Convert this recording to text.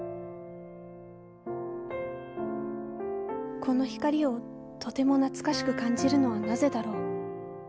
この光をとても懐かしく感じるのはなぜだろう。